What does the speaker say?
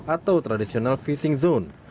atau tradisional fishing zone